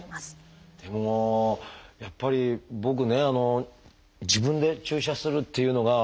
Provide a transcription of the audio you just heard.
でもやっぱり僕ね自分で注射するっていうのが。